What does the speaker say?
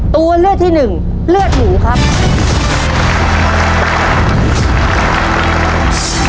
ตัวเลือกที่หนึ่งเลือดหมูครับ